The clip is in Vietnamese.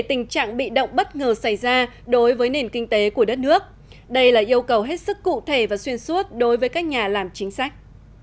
tình trạng bị động bất ngờ xảy ra đối với nền kinh tế của đất nước đây là yêu cầu hết sức cụ thể và xuyên suốt đối với các nhà làm chính sách